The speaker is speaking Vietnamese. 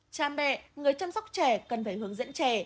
cha mẹ người chăm sóc trẻ cần phải hướng dẫn trẻ